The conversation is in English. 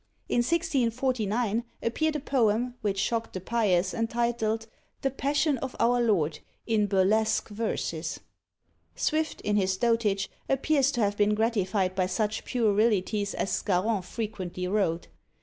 In 1649 appeared a poem, which shocked the pious, entitled, "The Passion of our Lord, in burlesque Verses." Swift, in his dotage, appears to have been gratified by such puerilities as Scarron frequently wrote.